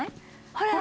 ほら！